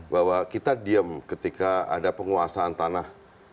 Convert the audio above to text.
bahwa kita diem ketika ada penguasaan tanah